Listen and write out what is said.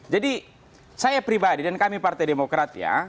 saya pribadi dan kami partai demokrat ya